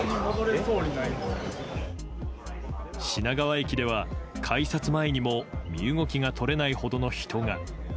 品川駅では、改札前にも身動きが取れないほどの人が。